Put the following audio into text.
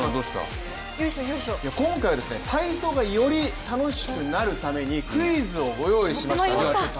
今回、体操がより楽しくなるためにクイズをご用意しました。